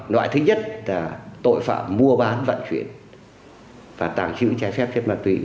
loại thứ nhất là tội phạm mua bán vận chuyển và tàng trữ trái phép chất ma túy